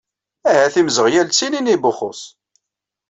Ahat imzeɣyal ttilin i Buxxuṣ.